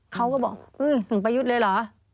เขาก็บอกถึงประยุทธ์เลยเหรอ